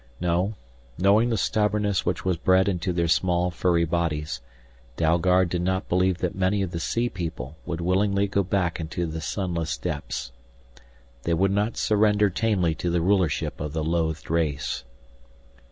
No, knowing the stubbornness which was bred into their small, furry bodies, Dalgard did not believe that many of the sea people would willingly go back into the sunless depths. They would not surrender tamely to the rulership of the loathed race.